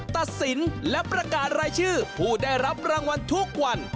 ตัดสินและประกาศรายชื่อผู้ได้รับรางวัลทุกวัน